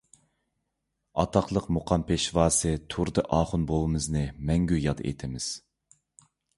ئاتاقلىق مۇقام پېشۋاسى تۇردى ئاخۇن بوۋىمىزنى مەڭگۈ ياد ئېتىمىز.